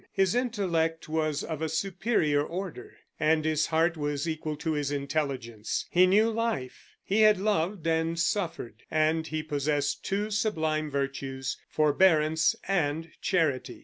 His intellect was of a superior order, and his heart was equal to his intelligence. He knew life; he had loved and suffered, and he possessed two sublime virtues forbearance and charity.